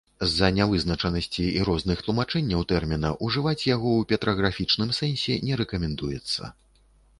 З-за нявызначанасці і розных тлумачэнняў тэрміна ўжываць яго ў петраграфічным сэнсе не рэкамендуецца.